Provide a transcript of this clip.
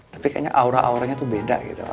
tapi kayaknya aura auranya tuh beda gitu